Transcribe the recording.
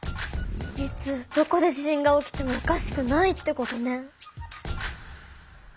いつどこで地震が起きてもおかしくないってことね。